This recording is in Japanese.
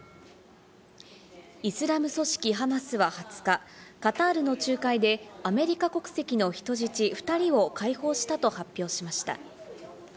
イスラム組織ハマスは２０日、カタールの仲介でアメリカ国籍の人質２人を解放したと発表しました。